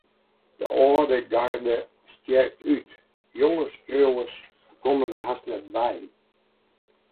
De âlde garde stjert út, jonge skriuwers komme der hast net by.